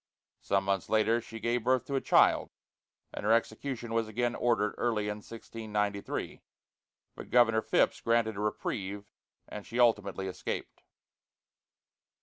Some months later she gave birth to a child, and her execution was again ordered early in 1693, but Governor Phips granted a reprieve, and she ultimately escaped.